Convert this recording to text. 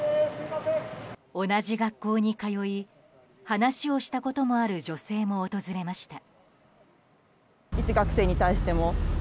同じ学校に通い話をしたこともある女性も訪れました。